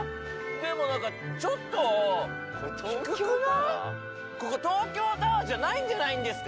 でも何かここ東京タワーじゃないんじゃないんですか？